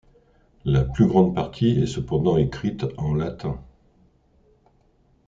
La plus grande partie est cependant écrite en latin.